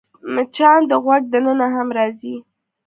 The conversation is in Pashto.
مچان د غوږ دننه هم راځي